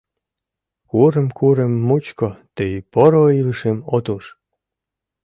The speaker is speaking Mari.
Курым-курым мучко тый поро илышым от уж!..